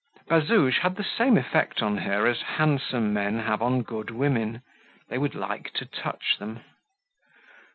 Bazouge had the same effect on her as handsome men have on good women: they would like to touch them.